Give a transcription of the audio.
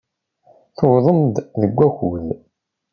Tewwḍemt-d deg wakud.